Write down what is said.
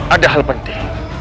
ada hal penting